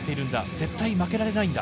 絶対負けられないんだ。